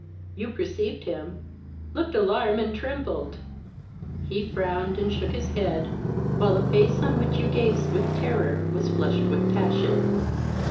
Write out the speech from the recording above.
You perceived him, looked alarmed, and trembled: he frowned, and shook his head, while the face on which you gazed with terror was flushed with passion.